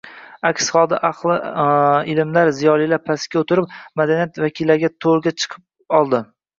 Aks holda ahli ilmlar, ziyolilar pastda o‘tirib, “madaniyat” vakillari to‘rga chiqib oladi